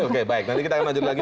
oke baik nanti kita akan lanjut lagi